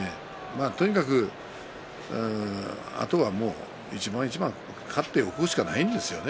とにかく、あとはもう一番一番勝っておくしかないんですよね。